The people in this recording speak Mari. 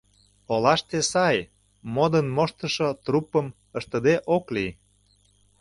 Олаште сай, модын моштышо труппым ыштыде ок лий.